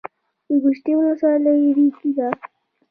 د ګوشتې ولسوالۍ ریګي ده